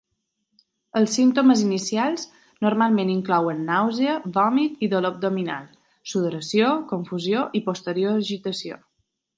Els símptomes inicials normalment inclouen nàusea, vòmit i dolor abdominal; sudoració, confusió i posterior agitació.